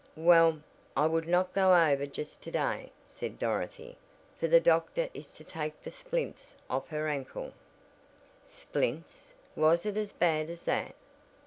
"Well, I would not go over just to day," said Dorothy, "for the doctor is to take the splints off her ankle " "Splints? Was it as bad as that?